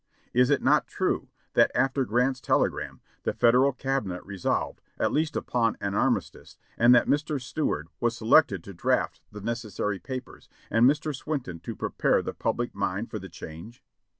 Is it not true that, after Grant's telegram, the Federal Cabinet resolved at least upon an armistice, and that Mr. Seward was selected to draft the necessary papers, and Mr. Swinton to prepare the public mind for the change?